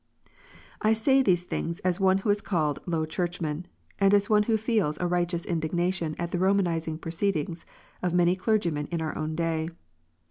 I say these things as one who is called a Low Churchman, and as one who feels a righteous indignation at the Romanizing proceedings of many clergymen in our own day.